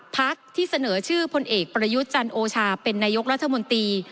พักที่เสนอชื่อพลเอกประยุทธ์จันโอชาเป็นนายกรัฐมนตรี